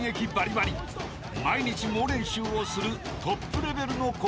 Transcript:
［毎日猛練習をするトップレベルの高校生たち］